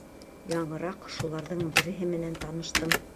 Яңыраҡ шуларҙың береһе менән таныштым.